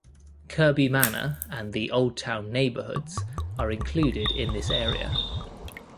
Kirby Manor and the Old Town neighborhoods are included in this area.